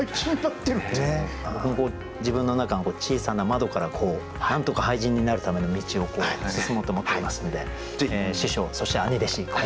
僕も自分の中の小さな窓から何とか俳人になるための道を進もうと思っていますので師匠そして兄弟子